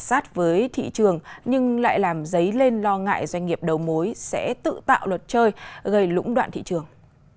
sát với thị trường nhưng lại làm dấy lên lo ngại doanh nghiệp đầu mối sẽ tự tạo luật chơi gây lũng đoạn thị trường